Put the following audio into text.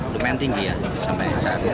lumayan tinggi ya sampai saat ini